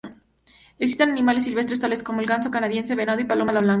Existen animales silvestres tales como el ganso canadiense, venado y paloma ala blanca.